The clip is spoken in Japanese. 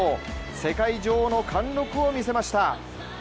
世界女王の貫禄を見せました。